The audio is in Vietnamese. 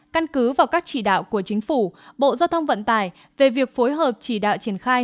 căn cứ vào các chỉ đạo của chính phủ bộ giao thông vận tải về việc phối hợp chỉ đạo triển khai